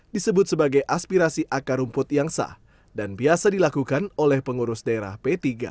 disebut sebagai aspirasi akar rumput yang sah dan biasa dilakukan oleh pengurus daerah p tiga